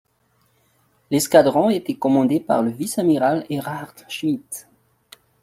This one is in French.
L'escadron était commandé par le vice-amiral Ehrhard Schmidt.